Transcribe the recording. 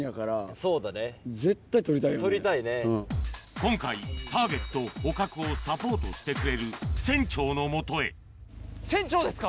今回ターゲット捕獲をサポートしてくれる船長のもとへ船長ですか？